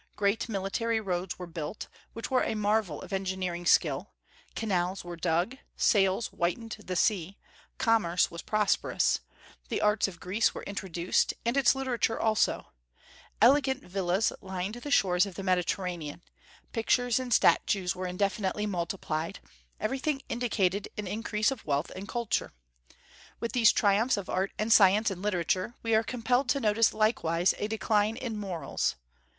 Great military roads were built, which were a marvel of engineering skill; canals were dug; sails whitened the sea; commerce was prosperous; the arts of Greece were introduced, and its literature also; elegant villas lined the shores of the Mediterranean; pictures and statues were indefinitely multiplied, everything indicated an increase of wealth and culture. With these triumphs of art and science and literature, we are compelled to notice likewise a decline in morals.